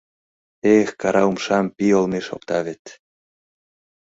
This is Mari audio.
Эх, кара умшам Пий олмеш опта вет.